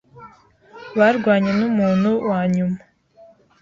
Barwanye numuntu wanyuma.